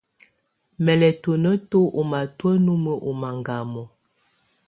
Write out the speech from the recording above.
Mɛ̀ lɛ̀ tuǝ́nǝ́tù ù matɔ̀á numǝ́ ù mangamɔ̀.